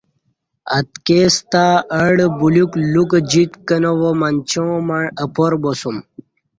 اتکی ستہ اڈہ بلیوک لوکہ جِت کنہ وا منچاں مع اپار باسوم